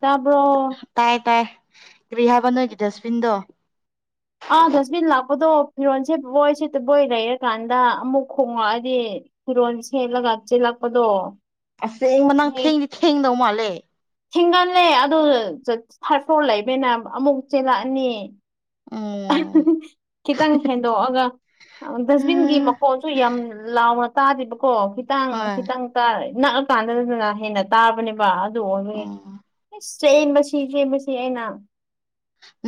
ꯇꯥꯕ꯭ꯔꯣ ꯇꯥꯏ ꯇꯥꯏ ꯀꯔꯤ ꯍꯥꯏꯕ ꯅꯣꯏꯒꯤ ꯗꯁꯕꯤꯟꯗꯣ ꯑꯥꯗꯁꯕꯤ ꯂꯥꯛ ꯑꯣꯗꯣ ꯐꯤꯔꯣꯜꯁꯦ ꯕꯣꯏ ꯁꯤ ꯕꯣꯏ ꯂꯩꯔꯀꯥꯟꯗ ꯑꯃꯨꯛ ꯈꯣꯡꯉꯛꯑꯗꯤ ꯐꯤꯔꯣꯜ ꯁꯦꯠꯂꯒ ꯆꯥꯛꯁꯤꯦꯜꯂꯛꯄꯗꯣ ꯑꯁꯦꯡ ꯃꯅꯥꯪ ꯊꯦꯡꯗꯤ ꯊꯦꯡꯗꯧ ꯃꯥꯜꯂꯦ ꯊꯤꯡꯒꯜꯂꯦ ꯑꯗꯨ ꯊꯥꯔꯠ ꯐ꯭ꯂꯣꯔ ꯂꯩꯕꯅ ꯑꯃꯨꯛ ꯆꯦꯜꯂꯛꯑꯅꯤ ꯎꯝ ꯈꯤꯇꯪ ꯍꯦꯟꯗꯣꯛꯑꯒ ꯗꯁꯕꯤꯟꯒꯤ ꯃꯈꯣꯟꯁꯨ ꯌꯥꯝ ꯂꯥꯎꯅ ꯇꯥꯗꯦꯕꯀꯣ ꯈꯤꯇꯪ ꯍꯣꯏ ꯈꯤꯇꯪ ꯅꯛꯑꯀꯥꯟꯗꯗꯅ ꯍꯦꯟꯅ ꯇꯥꯕꯅꯦꯕ ꯁ ꯎꯝ ꯆꯦ ꯃꯁꯤ ꯆꯦ ꯃꯁꯤ ꯑꯩꯅ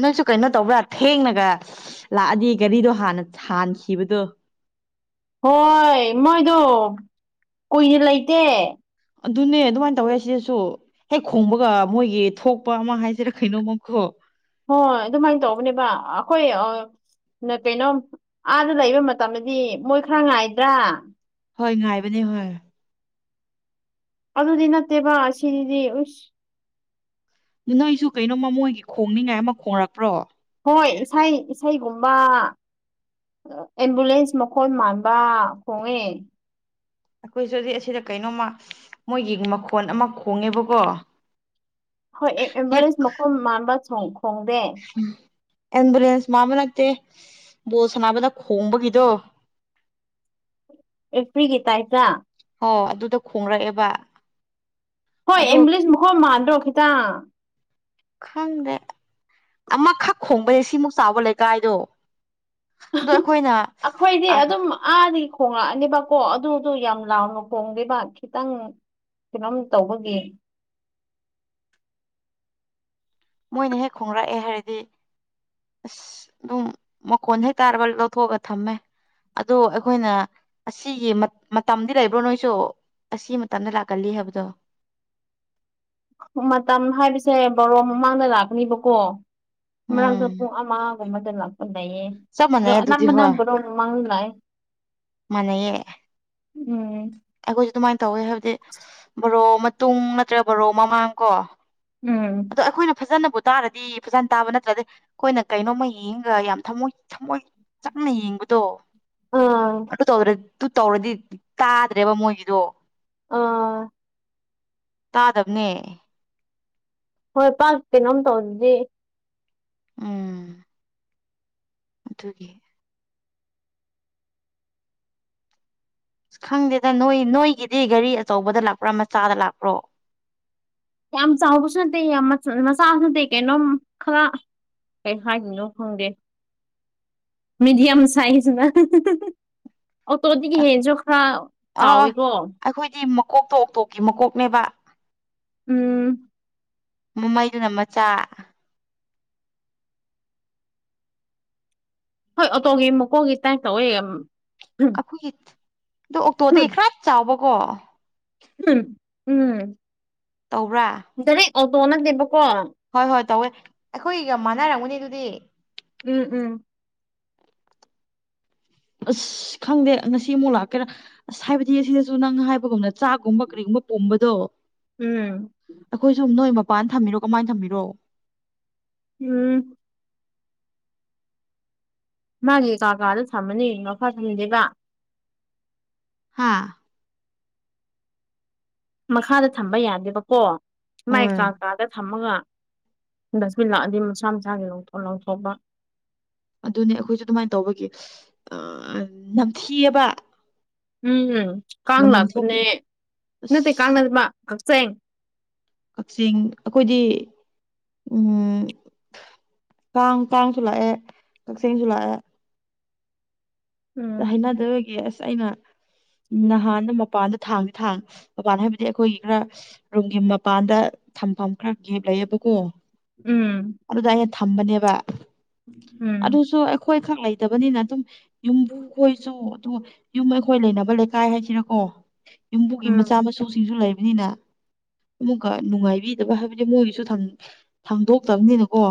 ꯅꯪꯁꯨ ꯀꯩꯅꯣ ꯇꯧꯕ꯭ꯔꯥ ꯊꯦꯡꯅꯒ ꯂꯥꯛꯑꯗꯤ ꯒꯥꯔꯤꯗꯣ ꯍꯥꯟꯅ ꯊꯥꯟꯈꯤꯕꯗꯣ ꯍꯣꯏ ꯃꯣꯏꯗꯣ ꯀꯨꯏꯅ ꯂꯩꯇꯦ ꯑꯗꯨꯅꯦ ꯑꯗꯨꯃꯥꯏꯅ ꯇꯧꯋꯦ ꯁꯤꯗꯁꯨ ꯍꯦꯛ ꯈꯣꯡꯕꯒ ꯃꯣꯏꯒꯤ ꯊꯣꯛꯄ ꯑꯃ ꯍꯥꯏꯁꯤꯔꯥ ꯀꯩꯅꯣꯃꯀꯣ ꯍꯣꯏ ꯑꯗꯨꯃꯥꯏꯅ ꯇꯧꯕꯅꯦꯕ ꯑꯩꯈꯣꯏ ꯀꯩꯅꯣ ꯑꯥꯗ ꯂꯩꯕ ꯃꯇꯝꯗꯗꯤ ꯃꯣꯏ ꯈꯔ ꯉꯥꯏꯗ꯭ꯔꯥ ꯍꯣꯏ ꯉꯥꯏꯕꯅꯦ ꯍꯣꯏ ꯑꯗꯨ ꯑꯗꯨꯗ ꯅꯠꯇꯦꯕ ꯁꯤꯗꯤ ꯎꯁ ꯅ ꯑꯩꯁꯨ ꯀꯩꯅꯣ ꯃꯃꯣꯏꯒꯤ ꯈꯣꯡꯅꯤꯉꯥꯏ ꯑꯃ ꯈꯣꯡꯡꯂꯛꯄ꯭ꯔꯣ ꯍꯣꯏ ꯏꯁꯩ ꯏꯁꯩꯒꯨꯝꯕ ꯑꯦꯝꯕꯨꯂꯦꯟꯁ ꯃꯈꯣꯟ ꯃꯥꯟꯕ ꯈꯣꯡꯉꯦ ꯑꯩꯈꯣꯏꯁꯨꯗꯤ ꯑꯁꯤꯗ ꯀꯩꯅꯣꯝꯃ ꯃꯣꯏꯒꯤ ꯃꯈꯣꯟ ꯑꯃ ꯈꯣꯡꯉꯦꯕꯀꯣ ꯍꯣꯏ ꯑꯦꯦꯝꯂꯦꯟꯁ ꯃꯈꯀꯣꯏ ꯃꯥꯟꯕ ꯍꯣꯡ ꯑꯦꯨꯂꯦꯟꯁ ꯃꯥꯃꯤꯅꯠꯇꯦ ꯣꯜ ꯁꯅꯥꯅꯕꯗ ꯈꯣꯡꯕꯒꯤꯗꯣ ꯑꯦ ꯐꯔꯤꯒ ꯇꯥꯏꯇ ꯑꯣ ꯑꯗꯨꯗ ꯈꯣꯡꯔꯛꯑꯦꯕ ꯍꯣꯏ ꯑꯗꯨ ꯏꯪ꯭ꯂꯤꯁ ꯃꯈꯣꯏ ꯃꯥꯟꯗ꯭ꯔꯣ ꯈꯤꯇꯪ ꯈꯪꯗꯦ ꯑꯃꯈꯛ ꯈꯣꯡꯕꯁ ꯁꯤꯃꯨꯛ ꯆꯥꯎꯕ ꯂꯩꯀꯥꯏꯗꯣ ꯑꯗꯣ ꯑꯩꯈꯣꯏꯅ ꯑꯩꯈꯣꯏꯗꯤ ꯑꯥ ꯑꯗꯨꯝ ꯑꯥꯗꯤ ꯍꯣꯡꯉꯛꯑꯅꯦꯕꯀꯣ ꯑꯗꯨꯗ ꯌꯥꯝ ꯂꯥꯎꯅ ꯍꯣꯡꯗꯦꯕ ꯈꯤꯇꯪ ꯀꯂꯝꯣꯝ ꯇꯧꯕꯒꯤ ꯃꯣꯏꯅ ꯍꯦꯛ ꯈꯣꯡꯡꯂꯛꯑꯦ ꯍꯥꯏꯔꯗꯤ ꯑꯁ ꯑꯗꯨꯝ ꯃꯈꯣꯟ ꯍꯩ ꯇꯥꯔꯕ ꯂꯧꯊꯣꯛꯑꯒ ꯊꯝꯃꯦ ꯑꯗꯣ ꯑꯩꯈꯣꯏꯅ ꯑꯁꯤꯒꯤ ꯃꯇꯝꯗꯤ ꯂꯩꯕ꯭ꯔꯣ ꯅꯣꯏꯁꯨ ꯑꯁꯤ ꯃꯇꯝꯗ ꯂꯥꯛꯀꯜꯂꯤ ꯍꯥꯏꯕꯗꯣ ꯃꯇꯝ ꯍꯥꯏꯕꯁꯦ ꯕꯣꯔꯣ ꯃꯃꯥꯡꯗ ꯂꯥꯛꯀꯅꯦꯕꯀꯣ ꯃꯔꯥꯡꯗ ꯎꯝ ꯄꯨꯡ ꯑꯃꯒꯨꯝꯕꯗ ꯂꯥꯛꯄ ꯂꯩꯌꯦ ꯆꯞ ꯑꯗꯣ ꯃꯥꯟꯅꯩ ꯑꯅꯝ ꯑꯗꯨꯗꯤ ꯑꯅꯝꯕꯔꯣ ꯃꯥꯡ ꯂꯥꯛꯑꯦ ꯃꯅꯌꯦꯦ ꯎꯝ ꯇꯧꯋꯦ ꯍꯥꯏꯕꯗꯤ ꯕꯣꯔꯣ ꯃꯇꯨꯡ ꯅꯠꯇ꯭ꯔꯒ ꯕꯣꯔꯣ ꯃꯃꯥꯡ ꯀꯣ ꯎꯝ ꯑꯗꯣ ꯑꯩꯈꯣꯏꯅ ꯐꯖꯅꯕꯨ ꯇꯥꯔꯗꯤ ꯐꯖꯅ ꯇꯥꯕ ꯅꯠꯇ꯭ꯔꯗꯤ ꯑꯩꯈꯣꯏꯅ ꯀꯩꯅꯣꯝꯃ ꯌꯦꯡꯉꯒ ꯌꯥꯝ ꯊꯃꯣꯏ ꯊꯃꯣꯏ ꯆꯪꯅ ꯌꯦꯡꯕ ꯣ ꯑꯥ ꯑꯗꯨ ꯇ ꯇꯧꯔꯗꯤ ꯇꯥꯗ꯭ꯔꯦꯕ ꯃꯣꯏꯒꯤꯗꯣ ꯑꯥ ꯇꯥꯗꯕꯅꯦ ꯍꯣꯏ ꯄꯥꯛꯇꯩꯅꯣꯝ ꯇꯧꯗꯤ ꯎꯝ ꯑꯗꯨꯒꯤ ꯑꯁ ꯈꯪꯗꯦꯗ ꯅꯣꯏ ꯅꯣꯏꯒꯤꯗꯤ ꯒꯥꯔꯤ ꯑꯆꯧꯕꯗ ꯂꯥꯛꯄ꯭ꯔꯥ ꯃꯆꯥꯗ ꯂꯥꯛꯄ꯭ꯔꯣ ꯌꯥꯝ ꯆꯥꯎꯕꯁꯨ ꯅꯠꯇꯦ ꯌꯥꯝ ꯃꯆꯥꯁꯨ ꯅꯠꯇꯦ ꯀꯩꯅꯣꯝ ꯈꯔ ꯀꯩ ꯍꯥꯏꯗꯣꯏꯅꯣ ꯈꯪꯗꯦ ꯃꯤꯗꯤꯌꯝ ꯁꯥꯏꯖꯅ ꯑꯣ ꯇꯣꯗꯒꯤ ꯍꯦꯟꯁꯨ ꯈꯔ ꯆꯥꯎꯋꯤꯀꯣ ꯃꯀꯣꯛꯇꯣꯛ ꯑꯣꯇꯣꯛꯀꯤ ꯃꯀꯣꯛꯅꯦꯕ ꯎꯝ ꯃꯨꯝꯃꯩꯗꯨꯅ ꯃꯆꯥ ꯍꯣꯏ ꯑꯣꯇꯣꯒꯤ ꯃꯀꯣꯛꯒꯤ ꯇꯥꯏ ꯇꯧꯋꯦ ꯑꯩꯈꯣꯏꯒꯤ ꯑ ꯑꯣꯛꯇꯣꯗꯒꯤ ꯈꯔ ꯆꯥꯎꯕꯀꯣ ꯎꯝ ꯎꯝ ꯇꯧꯕ꯭ꯔꯥ ꯑ ꯇꯣꯅꯕ ꯍꯣꯏ ꯍꯣꯏ ꯇꯧꯋꯦ ꯑꯩꯈꯣꯏꯒ ꯃꯥꯟꯅꯔꯝꯒꯅꯤ ꯑꯗꯨꯗꯤ ꯎꯝ ꯎꯝ ꯑꯁ ꯈꯪꯗꯦ ꯉꯁꯤ ꯑꯃꯨꯛ ꯂꯥꯛꯀꯦꯔꯥ ꯑꯁ ꯍꯥꯏꯕꯗꯤ ꯑꯁꯤꯗꯁꯨ ꯅꯪ ꯍꯥꯏꯕꯒꯨꯝꯅ ꯆꯥꯛꯒꯨꯝꯕ ꯀꯔꯤꯒꯨꯝꯕ ꯝꯕꯕꯗꯣ ꯎꯝ ꯑꯩꯈꯣꯏ ꯁꯨꯝ ꯅꯣꯏ ꯃꯄꯥꯟ ꯊꯝꯕꯤꯔꯣ ꯀꯃꯥꯏꯅ ꯊꯝꯕꯤꯔꯣ ꯎꯝ ꯃꯥꯒꯤ ꯀꯥꯀꯥꯗ ꯊꯝꯃꯅꯤ ꯃꯐꯥ ꯊꯟꯗꯦꯕ ꯍꯥꯥ ꯃꯈꯥꯗ ꯊꯝꯕ ꯌꯥꯗꯦꯕꯀꯣ ꯃꯥꯏ ꯍꯣꯏ ꯀꯥ ꯀꯥꯗ ꯊꯝꯃꯒ ꯗꯁꯕꯤꯟ ꯂꯥꯛꯑꯗꯤ ꯃꯁꯥ ꯃꯁꯥꯒꯤꯊꯣꯛ ꯂ ꯂꯧꯊꯣꯛꯄ ꯑꯗꯨꯅꯦ ꯑꯩꯈꯣꯏꯁꯨ ꯑꯗꯨꯃꯥꯏꯅ ꯇꯧꯕꯒꯤ ꯅꯝꯊꯤꯑꯕ ꯎꯝ ꯀꯥꯡ ꯃꯅꯝ ꯊꯣꯛ ꯂꯥꯛꯄꯅꯦ ꯅꯠꯇꯦ ꯀꯥꯡꯅ ꯑꯁ ꯃꯥ ꯀꯛꯆꯦꯡ ꯀꯛꯆꯤꯡ ꯑꯩꯈꯣꯏꯗꯤ ꯎꯝ ꯀꯥꯡꯥꯡ ꯇꯥꯡꯁꯨ ꯂꯥꯛꯑꯦ ꯀꯛꯆꯤꯡꯁꯨ ꯂꯥꯛꯑꯦ ꯎꯝ ꯍꯥꯏꯅꯖꯕꯒꯦ ꯑꯁ ꯑꯩꯅ ꯎ ꯅꯍꯥꯟꯗ ꯃꯄꯥꯟꯗ ꯊꯥꯡꯁꯦ ꯊꯥꯡ ꯃꯄꯥꯟ ꯍꯥꯏꯕꯗꯤ ꯑꯩꯈꯣꯏꯒꯤ ꯈꯔ ꯔꯨꯝꯒꯤ ꯃꯄꯥꯟꯗ ꯊꯝꯐꯝ ꯈꯔ ꯒꯦꯞ ꯂꯩꯌꯦꯕꯀꯣ ꯎꯝ ꯑꯗꯨꯗ ꯑꯩꯅ ꯊꯝꯕꯅꯦꯕ ꯎꯝ ꯑꯗꯨꯁꯨ ꯑꯩꯈꯣꯏ ꯈꯛ ꯂꯩꯇꯕꯅꯤꯅ ꯑꯗꯨꯝ ꯌꯨꯝꯕꯨ ꯈꯣꯏꯁꯨ ꯑꯗꯨꯒ ꯌꯨꯝ ꯑꯩꯈꯣꯏ ꯂꯩꯅꯕ ꯂꯩꯀꯥꯏ ꯍꯥꯏꯁꯤꯔꯀꯣ ꯌꯨꯝꯕꯨꯒꯤ ꯃꯆꯥ ꯎꯝ ꯃꯁꯨꯁꯤꯡꯁꯨ ꯂꯩꯕꯅꯤꯅ ꯑꯃꯨꯛꯀ ꯅꯨꯡꯉꯥꯏꯕꯤꯗꯕ ꯍꯥꯏꯕꯗꯤ ꯃꯣꯏꯒꯤꯁꯨ ꯊꯥꯡꯗꯣꯛꯇꯕꯅꯤꯅꯀꯣ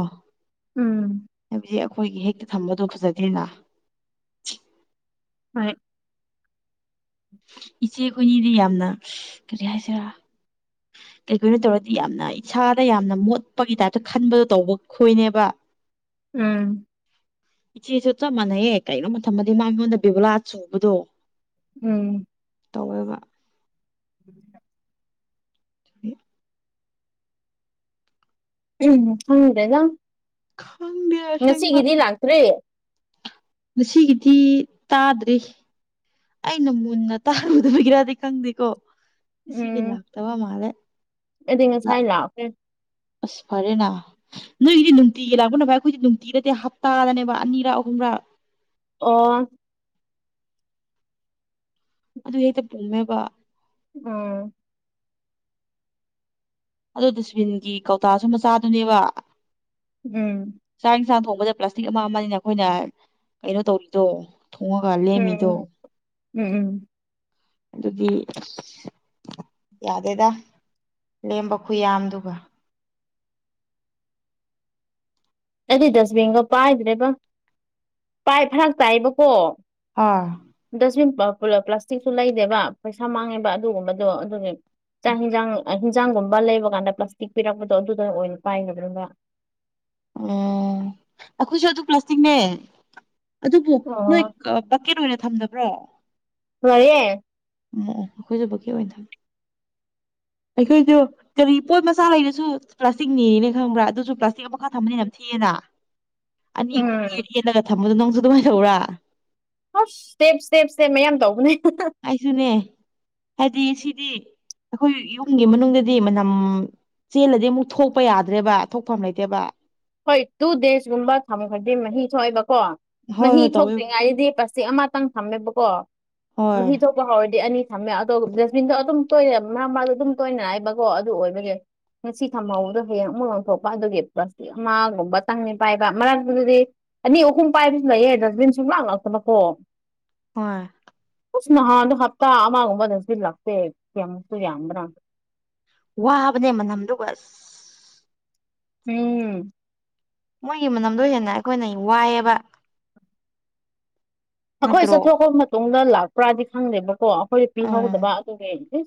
ꯎꯝ ꯍꯥꯏꯕꯗꯤ ꯑꯩꯈꯣꯏꯒꯤ ꯍꯦꯛꯇ ꯊꯝꯕꯗꯣ ꯐꯖꯗꯦꯅ ꯍ ꯏꯆꯦ ꯀꯣꯏꯅꯤꯗꯤ ꯌꯥꯝꯅ ꯀꯔꯤ ꯍꯥꯏꯁꯤꯔꯥ ꯀꯩꯒꯤꯣꯏꯅꯣ ꯇꯧꯔꯗꯤ ꯌꯥꯝꯅ ꯏꯁꯥꯗ ꯌꯥꯝꯅ ꯃꯣꯠꯄꯒꯤ ꯇꯥꯏꯞꯇ ꯈꯟꯕꯗꯣ ꯇꯧꯕ ꯈꯣꯏꯅꯦꯕ ꯎꯝ ꯏꯆꯦꯁꯨ ꯆꯞ ꯃꯥꯟꯅꯩꯍꯦ ꯀꯩꯅꯣꯝꯃ ꯊꯝꯃꯗꯤ ꯃꯥ ꯑꯩꯉꯣꯟꯗ ꯕꯦꯕꯨꯂꯥ ꯆꯨꯕꯗꯣ ꯎꯝ ꯇꯧꯔꯒ [unintelligible] [unintelligible] ꯎꯝ ꯍꯉꯗꯦꯗ ꯈꯪꯗꯦ ꯑꯁꯦꯡꯕ ꯉꯁꯤꯒꯤꯗꯤ ꯂꯥꯛꯇ꯭ꯔꯦ ꯉꯁꯤꯒꯤꯗꯤ ꯇꯥꯗ꯭ꯔꯤ ꯑꯩꯅ ꯃꯨꯟꯅ ꯇꯥꯔꯨꯗꯕꯒꯤꯔꯗꯤ ꯈꯪꯗꯦꯀꯣ ꯁꯤꯗꯤ ꯂꯥꯛꯇꯕ ꯃꯥꯜꯂꯦ ꯑꯗꯨꯩ ꯂꯥꯛ ꯉꯁꯥꯏ ꯂꯥꯛꯑꯒꯦ ꯑꯁ ꯐꯔꯦꯅꯥ ꯅꯣꯏꯒꯤꯗꯤ ꯅꯨꯡꯇꯤꯒꯤ ꯂꯥꯛꯄ ꯅꯚ ꯑꯩꯈꯣꯏꯗꯤ ꯅꯨꯡꯇꯤꯗꯠꯇꯦ ꯍꯞꯇꯥꯗꯅꯦꯕ ꯑꯅꯤꯔꯛ ꯑꯍꯨꯝ [inaudible] ꯑꯣ ꯑꯗꯨ ꯍꯇ ꯄꯣꯃꯦꯕ ꯎꯝ ꯑꯗꯨꯣ ꯗꯁꯕꯤꯟꯒꯤ ꯀꯧꯇꯥꯁꯨ ꯃꯆꯥꯗꯨꯅꯦꯕ ꯎꯝ ꯑꯦꯁꯥꯡ ꯊꯣꯡꯕꯗ ꯄ꯭ꯂꯥꯁꯇꯤꯛ ꯑꯃ ꯑꯃꯅꯤꯅ ꯑꯩꯈꯣꯏꯅ ꯀꯩꯅꯣ ꯇꯧꯔꯤꯗꯣ ꯊꯣꯡꯉ ꯀꯜꯂꯤꯦꯃꯤ ꯇꯣ ꯎꯝ ꯎꯝ ꯎꯝ ꯑꯗꯨꯗꯤ ꯌꯥꯗꯦꯗ ꯂꯦꯝꯕ ꯈꯨꯌꯥꯝꯗꯨꯒ ꯑꯩꯗꯤ ꯗꯁꯕꯤꯟꯒ ꯄꯥꯏꯗ꯭ꯔꯦꯕ ꯄꯥꯏ ꯐꯔꯛ ꯇꯥꯏꯕꯀꯣ ꯍꯣꯏ ꯗꯁꯃꯤꯕ ꯄ꯭ꯂꯥꯁꯇꯤꯛꯁꯨ ꯂꯩꯗꯦꯕ ꯄꯩꯁꯥ ꯃꯥꯡꯉꯦꯕ ꯑꯗꯨꯒꯨꯝꯕꯗꯣ ꯑꯗꯨꯒꯤ ꯆꯥꯛ ꯌꯦꯟꯁꯥꯡ ꯍꯤꯟꯖꯥꯡꯒꯨꯝꯕ ꯂꯩꯕ ꯀꯥꯟꯗ ꯄ꯭ꯂꯥꯁꯇꯤꯛ ꯄꯤꯔꯛꯄꯗꯣ ꯑꯗꯨꯗꯨꯅ ꯑꯣꯏ ꯄꯥꯏꯈꯗꯕ ꯑꯣ ꯑꯩꯈꯣꯏꯁꯨ ꯑꯗꯨ ꯄ꯭ꯂꯥꯁꯇꯤꯛꯅꯦ ꯑꯗꯨꯕꯨ ꯅꯣꯏ ꯑꯣ ꯕꯀꯦꯠ ꯑꯣꯏꯅ ꯊꯝꯗꯕ꯭ꯔꯣ ꯋꯥꯔꯤꯦ ꯃꯑꯣ ꯑꯩꯈꯣꯏꯁꯨꯕꯨꯀꯤ ꯑꯣꯏꯅ ꯊꯝ [inaudible] ꯑꯩꯈꯣꯏꯁꯨ ꯀꯔꯤ ꯄꯣꯠ ꯃꯆꯥ ꯂꯩꯔꯁꯨ ꯄ꯭ꯂꯥꯁꯇꯤꯛꯅꯦꯅ ꯈꯪꯕ꯭ꯔꯥ ꯑꯗꯨꯁꯨ ꯄ꯭ꯂꯥꯁꯇꯤꯛ ꯑꯃ ꯈꯛ ꯊꯝꯝꯕꯅꯤꯅꯝ ꯊꯤꯑꯅ [inaudible] ꯑꯅꯤ ꯑꯍꯨꯝ ꯌꯦ ꯎꯝ ꯌꯦꯜꯂꯒ ꯊꯝꯃꯗꯣ ꯅꯪꯁꯨ ꯑꯗꯨꯃꯥꯏꯅ ꯂꯧꯧꯔꯥ ꯍ ꯁꯇꯦꯞ ꯁꯇꯦꯞ ꯁꯦꯞ ꯃꯌꯥꯝ ꯇꯧꯕꯅꯦ ꯑꯩꯁꯨꯅꯦ ꯍꯥꯏꯗꯤ ꯁꯤꯗꯤ ꯑꯩꯈꯣꯏ ꯌꯨꯝꯒꯤ ꯃꯅꯨꯡꯗꯗꯤ ꯃꯅꯝ ꯆꯦꯜꯂꯗꯤ ꯑꯃꯨꯛ ꯊꯣꯛꯄ ꯌꯥꯗ꯭ꯔꯦꯕ ꯊꯣꯛꯐꯝ ꯂꯩꯇꯦꯕ ꯍꯣꯏ ꯇꯨ ꯗꯦꯁꯒꯨꯝꯕ ꯊꯝꯃꯣ ꯈꯗꯤꯦ ꯃꯍ ꯊꯣꯛꯑꯕ ꯀꯣ ꯍꯣꯏ ꯃꯍꯤ ꯍꯣꯏ ꯇꯧꯋꯦ ꯊꯣꯛꯇ꯭ꯔꯤꯉꯥꯏꯗꯗꯤ ꯄꯁꯤꯦꯛ ꯑꯃꯇꯪ ꯊꯝꯃꯦꯕꯀꯣ ꯍꯣꯏ ꯃꯍꯤ ꯊꯣꯛꯄ ꯍꯧꯥꯎꯔꯗꯤ ꯑꯅꯤ ꯊꯝꯃꯦ ꯑꯗꯣ ꯗꯖꯁꯕꯤꯟꯗꯣ ꯑꯗꯨꯝ ꯇꯣꯏꯅ ꯃꯔ ꯃꯔꯁꯨ ꯑꯗꯨꯝ ꯇꯣꯏꯅ ꯍꯥꯏꯕꯀꯣ ꯑꯗꯨ ꯑꯣꯏꯕꯒꯤ ꯉꯁꯤ ꯊꯝꯍꯥꯎꯗꯣ ꯍꯌꯦꯡ ꯑꯃꯨꯛ ꯂꯥꯡꯊꯣꯛꯄ ꯑꯗꯨꯒꯤ ꯄ꯭ꯂꯁ ꯑꯃꯒꯨꯝꯕ ꯆꯪꯅꯤ ꯄꯥꯏꯕ ꯃꯔꯛꯛꯇꯗꯨꯗꯤ ꯑꯅꯤ ꯑꯍꯨꯝ ꯄꯥꯏꯕꯁꯨ ꯂꯩꯑꯦ ꯗꯁꯕꯤꯟ ꯁꯨꯝ ꯂꯥꯛꯂꯛꯇꯕꯀꯣ ꯑꯣ ꯑꯣꯏ ꯑꯁ ꯅꯍꯥꯟꯗꯣ ꯍꯞꯇꯥ ꯑꯃꯒꯨꯝꯕꯗ ꯁꯤꯂꯥꯛꯇꯦ ꯌꯥꯝꯃꯁꯨ ꯌꯥꯝꯕ꯭ꯔꯥ ꯋꯥꯕꯅꯦ ꯃꯅꯝꯗꯨ ꯁ ꯎꯝ ꯃꯣꯏꯒꯤ ꯃꯅꯝꯗꯣ ꯍꯦꯟꯅ ꯑꯩꯈꯣꯏꯅ ꯋꯥꯏꯑꯕ ꯑꯩꯈꯣꯏ ꯆꯠꯊꯣꯛꯑꯕ ꯃꯇꯨꯡꯗ ꯂꯥꯛꯄ꯭ꯔꯥꯗꯤ ꯈꯪꯗꯦꯕꯀꯣ ꯑꯩꯈꯣꯏ ꯎꯝ ꯄꯤꯍꯧꯗꯕ ꯑꯗꯨꯒꯤ ꯍ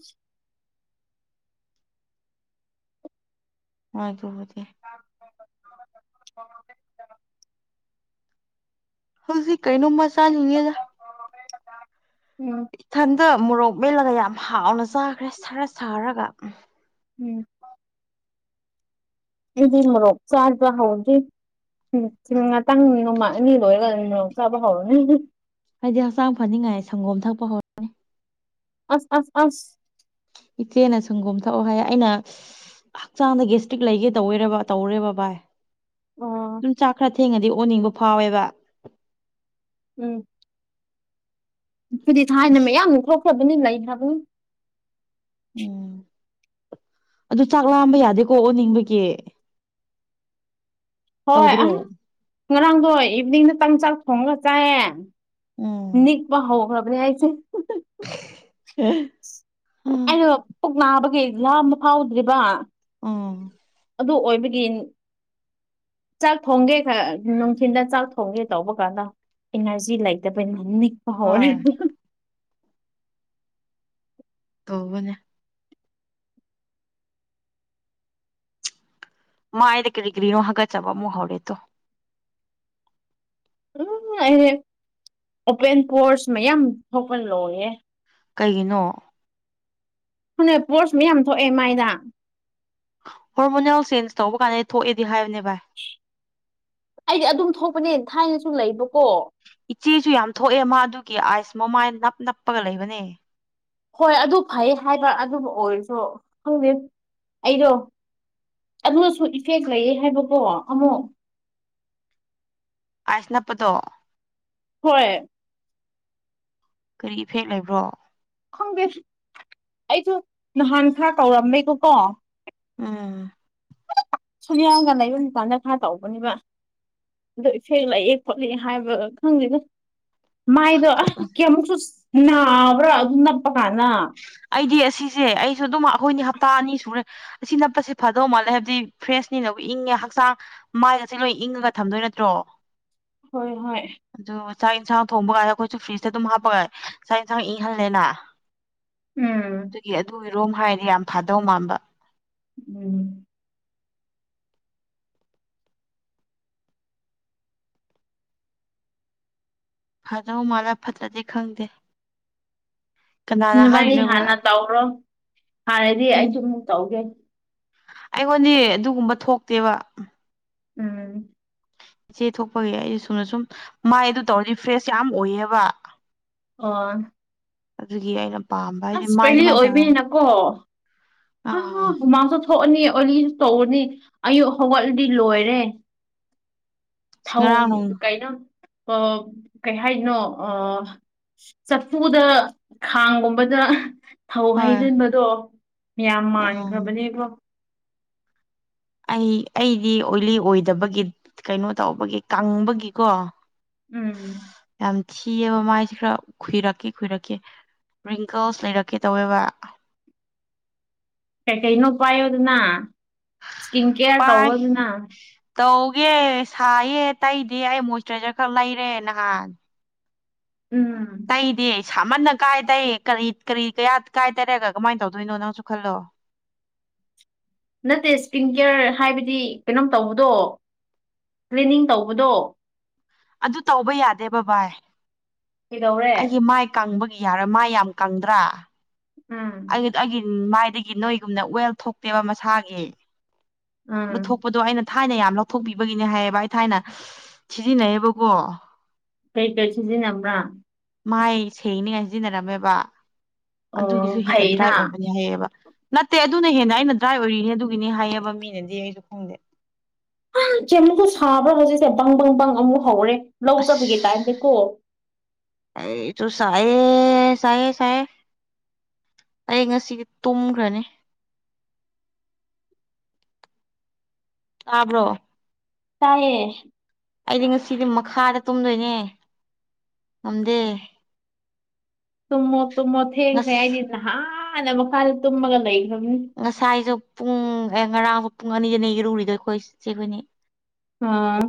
ꯍꯣꯏ ꯇ [inaudible] ꯍꯧꯖꯤꯛ ꯀꯩꯅꯣꯝꯃ ꯆꯥꯜꯂꯤꯉꯦꯗ ꯦ ꯏꯊꯟꯗ ꯃꯣꯔꯣꯛ ꯃꯦꯠꯂꯒ ꯌꯥꯝ ꯍꯥꯎꯅ ꯆꯥꯈ꯭ꯔꯦ ꯁꯔ ꯁꯥꯔꯒ ꯎꯝ ꯑꯩꯗꯤ ꯃꯔꯣ ꯆꯥꯕ ꯍꯥꯎ ꯎꯝ ꯉꯥꯛꯇꯪ ꯅꯣꯡꯃ ꯑꯅꯤ ꯂꯣꯏꯔꯒ ꯑꯗꯨ ꯃꯣꯔꯣꯛ ꯆꯥꯕ ꯍꯧꯔꯅꯤ ꯍꯥꯏꯗꯤ ꯍꯛꯆꯥꯡ ꯐꯅꯤꯡꯉꯥꯏ ꯁꯪꯒꯣꯝ ꯊꯛꯄ ꯍꯧꯔꯅꯤ ꯑꯁ ꯑꯁ ꯑꯁ ꯏꯆꯦꯅ ꯁꯪꯒꯣꯝ ꯊꯛꯑꯣ ꯍꯥꯏ ꯑꯩꯅ ꯍꯛꯆꯥꯡꯗ ꯒꯦꯁꯇ꯭ꯔꯤꯛ ꯂꯩꯒꯦ ꯇꯧꯋꯦꯕ ꯇꯧꯔꯦꯕ ꯚꯏ ꯑꯣ ꯑꯗꯨꯨꯝ ꯆꯥꯛ ꯈꯔ ꯊꯦꯡꯉꯗꯤ ꯑꯣꯅꯤꯡꯕ ꯐꯥꯎꯋꯦꯕ ꯎꯝ ꯑꯩꯈꯣꯏꯗꯤ ꯊꯥꯏꯅ ꯑꯁ ꯃꯌꯥꯝꯃꯨꯛ ꯊꯣꯛꯈ꯭ꯔꯕꯅꯤ ꯂꯩꯈ꯭ꯔꯕ ꯅꯤ ꯎꯝ ꯑꯗꯨ ꯆꯥꯛ ꯂꯥꯝꯕ ꯌꯥꯗꯦꯀꯣ ꯑꯣꯅꯤꯡꯕꯒꯤ ꯍꯣꯏ ꯇꯧꯗ꯭ꯔꯣ ꯑ ꯉꯔꯥꯡꯗꯣ ꯏꯚꯅꯤꯡꯗ ꯇ ꯆꯥꯛ ꯊꯣꯡꯉꯥꯒ ꯆꯥꯏꯌꯦ ꯎꯝ ꯅꯤꯛꯄ ꯍꯧꯈ꯭ꯔꯕ ꯃꯅꯤ ꯍꯥꯏꯏꯁꯦ ꯍ ꯑꯩꯩꯅꯣ ꯄꯨꯛ ꯅꯥꯕꯒꯤ ꯂꯥꯝꯕ ꯐꯥꯎꯗ꯭ꯔꯤꯕ ꯑꯥ ꯑꯗꯨ ꯑꯣꯏꯕꯒꯤ ꯆꯥꯛ ꯊꯣꯡꯒꯦ ꯈꯔ ꯅꯨꯡꯊꯤꯟꯗ ꯆꯥꯛ ꯊꯣꯡꯒꯦ ꯇꯧꯕ ꯀꯥꯟꯗ ꯏꯅꯔꯖꯤ ꯂꯩꯇꯕꯅ ꯅꯤꯛꯄ ꯍꯣꯏ ꯍꯧꯔꯦꯕꯥ ꯇꯧꯕꯅꯦ ꯃꯥꯥꯏꯗ ꯀꯔꯤꯒ꯭ꯔꯤꯅꯣ ꯍꯥꯒꯥꯖꯕ ꯑꯃꯨꯛ ꯍꯧꯔꯦ ꯇꯣ ꯎꯝ ꯑꯩ ꯗꯤ ꯑꯣꯄꯦꯟ ꯄꯣꯔꯁ ꯃꯌꯥꯝ ꯊꯣꯛꯄ ꯂꯣꯏꯌꯦ ꯀꯩꯒꯤꯅꯣ ꯅ ꯄꯣꯠꯁ ꯃꯌꯥꯝ ꯊꯣꯛꯑꯦ ꯃꯥꯏꯗ ꯍꯣꯔꯃꯣꯅꯦꯜ ꯆꯦꯟꯖ ꯇꯧꯕ ꯀꯥꯟꯗ ꯊꯣꯛꯑꯦꯗꯤ ꯍꯥꯏꯕꯅꯦꯕ ꯑꯩꯗꯤ ꯑꯗꯨꯝ ꯊꯣꯛꯄꯅꯦ ꯊꯥꯏꯅꯁꯨ ꯂꯩꯕ ꯏꯆꯦꯁꯨ ꯌꯥꯝ ꯊꯣꯛꯑꯦ ꯃꯥꯗꯨꯒꯤ ꯑꯥꯏꯁ ꯃꯣꯃꯥꯏ ꯅꯞ ꯅꯞꯄꯒ ꯂꯩꯕꯅꯦ ꯍꯣꯏ ꯑꯗꯨ ꯐꯩ ꯍꯥꯏꯕ ꯑꯗꯨꯕꯨ ꯑꯣꯏꯔꯁꯨ ꯈꯪꯗꯦ ꯑꯩꯗꯣ ꯑꯗꯨꯅꯁꯨ ꯏꯐꯦꯛ ꯂꯩꯌꯦ ꯍꯥꯏꯕꯀꯣ ꯑꯃꯨꯛ ꯑꯥꯏꯁ ꯅꯥꯞ ꯄꯥ ꯗꯣ ꯍꯣꯏ ꯀꯔꯤ ꯏꯐꯦꯛ ꯂꯩꯕ꯭ꯔꯣ ꯈꯪ ꯗꯦ ꯑꯩꯁꯨ ꯅꯍꯥꯟ ꯈꯔ ꯀꯧꯔꯝꯃꯦꯕꯀꯣ ꯎꯝ ꯁꯣꯅꯤꯌꯥꯒ ꯂꯥꯏꯕ ꯇꯥꯝꯗ ꯈꯥꯔ ꯇꯧꯕꯅꯦꯕ ꯑꯗꯣ ꯏꯐꯦꯛ ꯂꯥꯛꯑꯦ ꯈꯣꯠꯂꯦ ꯍꯥꯏꯕ ꯈꯪꯗꯦꯗ ꯃꯥꯏꯗꯣ ꯑꯁ ꯀꯌꯥꯃꯨꯛꯁꯨ ꯅꯥꯕ꯭ꯔꯥ ꯑꯗꯨ ꯅꯞꯄ ꯀꯥꯟꯗ ꯑꯩꯗꯤ ꯑꯁꯤꯁꯦ ꯑꯩꯁꯨ ꯑꯗꯨꯝ ꯑꯩꯈꯣꯏꯅꯤ ꯍꯞꯇꯥ ꯑꯅꯤ ꯁꯨꯔꯦ ꯑꯁꯤ ꯅꯞꯄꯁꯦ ꯐꯗꯧ ꯃꯥꯜꯂꯦ ꯍꯥꯏꯕꯗꯤ ꯐ꯭ꯔꯦꯁꯅꯤꯅꯕꯨ ꯏꯪꯉꯦ ꯍꯛꯆꯥꯡ ꯃꯥꯏꯗꯁꯦ ꯂꯣꯏ ꯏꯪꯉꯒ ꯊꯝꯗꯣꯏ ꯅꯠꯇ꯭ꯔꯣ ꯍꯣꯏ ꯍꯣꯏ ꯑꯗꯨ ꯆꯥꯛ ꯌꯦꯟꯁꯥꯡ ꯊꯣꯡꯕ ꯀꯥꯟꯗ ꯑꯩꯈꯣꯏꯁꯨ ꯐ꯭ꯔꯤꯖꯇ ꯑꯗꯨꯝ ꯍꯥꯞꯄꯒ ꯆꯥꯛ ꯌꯦꯟꯁꯥꯡ ꯏꯪꯍꯜꯂꯦꯅ ꯎꯝ ꯔꯣꯝ ꯍꯥꯏꯔ ꯌꯥꯝ ꯐꯥꯗꯧ ꯃꯥꯟꯕ ꯎꯝ ꯐꯗꯣ ꯃꯥꯥꯜꯂꯥ ꯐꯠꯇꯗꯤ ꯈꯪꯗꯦ ꯀꯅꯥꯅ ꯅꯕꯥꯅꯤ ꯍꯥꯏꯔꯤꯅꯣꯕ ꯍꯥꯟꯅ ꯇꯧꯔꯣ ꯐꯥꯔꯗꯤ ꯑꯩ ꯁꯨ ꯇꯧꯒꯦ ꯑꯩꯉꯣꯟꯅꯦ ꯑꯗꯨꯒꯨꯝꯕ ꯊꯣꯛꯇꯦꯕ ꯎꯝ ꯏꯆꯦ ꯊꯣꯛꯄꯒꯤ ꯑꯩꯁ ꯁꯨꯅ ꯁꯨꯝ ꯃꯥꯏ ꯑꯗꯨ ꯇꯧꯔꯗꯤ ꯐ꯭ꯔꯦꯁ ꯌꯥꯝ ꯑꯣꯏꯌꯦꯕ ꯑ ꯑꯗꯨꯒꯤ ꯑꯩꯅ ꯄꯥꯝꯕ ꯍꯥꯏꯗꯤ ꯑꯁ ꯃꯥꯏ ꯄꯦꯂꯤ ꯑꯗꯨꯃꯥꯏꯅ ꯇꯧꯔ ꯑꯣꯏꯕꯅꯀꯣ ꯑ ꯑꯥ ꯃꯥꯁꯨ ꯊꯣꯛ ꯅꯤ ꯑꯣꯂꯤ ꯇꯧꯕꯅꯤ ꯑꯌꯨꯛ ꯍꯧꯒꯠꯂꯗꯤ ꯂꯣꯏꯔꯦ ꯉꯔꯥꯡ ꯊꯧꯉ ꯅꯨꯡ ꯑꯗꯨ ꯀꯥꯏꯩꯅ ꯀꯩ ꯍꯥꯏꯅꯣ ꯑ ꯆꯐꯨꯗ ꯈꯥꯡꯒꯨꯝꯕꯗ ꯊꯧ ꯍꯣꯏ ꯍꯩꯖꯤꯟꯕꯗꯣ ꯃ ꯎꯝ ꯃꯥꯟꯈ꯭ꯔꯕꯅꯦꯀꯣ ꯑꯩ ꯑꯩꯗꯤ ꯑꯣꯏꯂꯤ ꯑꯣꯏꯗꯕꯒꯤ ꯀꯩꯅꯣ ꯇꯧꯕꯒꯤ ꯀꯪꯕꯒꯤꯀꯣ ꯎꯝ ꯌꯥꯝ ꯊꯤꯑꯕ ꯃꯥꯏꯁꯦ ꯈꯔ ꯈꯨꯏꯔꯛꯀꯦ ꯈꯨꯏꯔꯛꯀꯦ ꯔꯤꯡꯀꯜꯁ ꯂꯩꯔꯛꯀꯦ ꯇꯧꯋꯦꯕ [unintelligible] ꯀꯩ ꯀꯩꯅꯣ ꯄꯥꯏꯌꯣꯗꯅ ꯏꯁꯀꯤꯟ ꯀꯦꯌꯥꯔ ꯇꯧꯔꯣꯗꯅ ꯑꯦꯦ ꯁꯥꯏꯌꯦ ꯇꯩꯗꯦ ꯑꯩ ꯃꯣꯏꯆꯔꯥꯏꯖꯔ ꯈꯔ ꯂꯩꯔꯦ ꯅꯍꯥꯟ ꯎꯝ ꯇꯩꯗꯦ ꯁꯥꯃꯟꯅ ꯀꯥꯏ ꯇꯩ ꯀꯔꯤ ꯀꯔꯤ ꯀꯌꯥ ꯀꯥꯏꯗꯔꯒ ꯀꯃꯥꯏꯅ ꯇꯧꯗꯣꯏꯅꯣ ꯅꯪꯁꯨ ꯈꯜꯂꯣ ꯅꯠꯇꯦ ꯏꯁꯄꯤꯟ ꯀꯦꯌꯔ ꯍꯥꯏꯕꯗꯤ ꯀꯩꯅꯣꯝ ꯇꯧꯕꯗꯣ ꯀ꯭ꯂꯤꯅꯤꯡ ꯇꯧꯕꯗꯣ ꯑꯗꯨ ꯇꯧꯕ ꯌꯥꯗꯦ ꯕ ꯕꯥꯏ ꯀꯩꯗꯧꯔꯦ ꯑꯩꯒꯤ ꯃꯥꯏ ꯀꯪꯕꯒꯤ ꯌꯥꯔꯣꯏ ꯃꯥꯏ ꯌꯥꯝ ꯀꯪꯗ꯭ꯔꯥ ꯎꯝ ꯑꯩ ꯑꯩꯒꯤ ꯃꯥꯏꯗꯒꯤ ꯅꯣꯏꯒꯨꯝꯅ ꯋꯦꯜ ꯊꯣꯛꯇꯦꯕ ꯃꯁꯥꯒꯤ ꯎꯝ ꯑꯗꯨ ꯊꯣꯛꯄꯗꯣ ꯑꯩꯅ ꯊꯥꯏꯅ ꯌꯥꯝ ꯂꯧꯊꯣꯛꯄꯤꯕꯒꯤꯅꯦ ꯍꯥꯏꯌꯦꯕ ꯑꯩ ꯊꯥꯏꯅ ꯁꯤꯖꯤꯟꯅꯩꯌꯦꯕꯀꯣ ꯀꯩ ꯀꯩ ꯁꯤꯖꯤꯟꯅꯕ꯭ꯔꯥ ꯃꯥꯏ ꯁꯦꯡꯅꯤꯉꯥꯏ ꯁꯤꯖꯤꯟꯅꯔꯝꯃꯦꯕ ꯑꯗꯨꯒꯤꯁꯨ ꯑꯣ ꯍꯦꯟꯅ ꯗ꯭ꯔꯥꯏ ꯐꯩꯅ ꯑꯣꯏꯕꯅꯦ ꯍꯥꯏꯌꯦ ꯅꯠꯇꯦ ꯑꯗꯨꯅ ꯍꯦꯟꯅ ꯑꯩꯅ ꯗ꯭ꯔꯥꯏ ꯑꯣꯏꯔꯤꯅꯤ ꯑꯗꯨꯒꯤꯅꯤ ꯍꯥꯏꯌꯦꯕ ꯃꯤꯅꯗꯤ ꯑꯩꯁꯨ ꯈꯪꯗꯦ ꯆꯦꯃꯨꯁꯨ ꯁꯥꯕ꯭ꯔꯥ ꯍꯧꯖꯤꯛꯁꯦ ꯄꯪ ꯄꯪ ꯄꯪ ꯑꯃꯨꯛ ꯍꯧꯔꯦ ꯂꯧ ꯑꯁ ꯆꯠꯕꯒꯦ ꯇꯥꯏꯞꯇ ꯀꯣ ꯑꯦ ꯁꯥꯌꯦ ꯁꯥꯌꯦ ꯑꯩ ꯉꯁꯤꯗꯤ ꯇꯨꯝꯈ꯭ꯔꯅꯤ [unintelligible] ꯇꯥꯕ꯭ꯔꯣ ꯇꯥꯏꯌꯦ ꯑꯩꯗꯤ ꯉꯁꯤꯗꯤ ꯃꯈꯥꯗ ꯇꯨꯝꯗꯣꯏꯅꯦ ꯉꯝꯗꯦ ꯇꯨꯝꯃꯣ ꯇꯨꯝꯃꯣ ꯊꯦꯡꯈ꯭ꯔꯦ ꯉꯁ ꯑꯩꯗꯤ ꯅꯍꯥꯟꯅ ꯃꯈꯥꯗ ꯇꯨꯝꯃꯒ ꯂꯩ ꯉꯁꯥꯏꯁꯨ ꯄꯨꯡ ꯉꯔꯥꯡ ꯄꯨꯡ ꯑꯅꯤꯗꯅꯦ ꯏꯔꯨꯔꯤꯗꯣ ꯑꯩꯈꯣꯏ ꯆꯦꯈꯣꯏꯅꯤ ꯑ